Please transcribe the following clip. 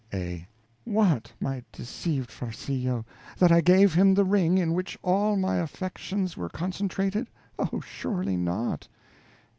A. What, my deceived Farcillo, that I gave him the ring, in which all my affections were concentrated? Oh, surely not.